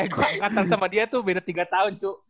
eh gua angkatan sama dia tuh beda tiga tahun cu